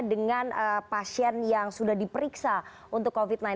dengan pasien yang sudah diperiksa untuk covid sembilan belas